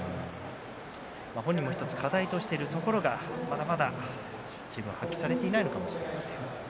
本人も課題としているところがまだまだ発揮されていないのかもしれません。